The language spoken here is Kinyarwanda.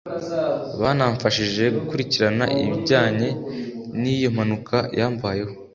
Banamfashije gukurikirana ibijyanye n’iyo mpanuka yambayeho